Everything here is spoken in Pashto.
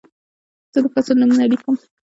زه د فصل نومونه لیکم.